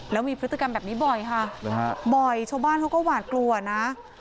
แล้วมีพฤติกรรมแบบนี้บ่อยค่ะบ่อยชาวบ้านเขาก็หวาดกลัวนะ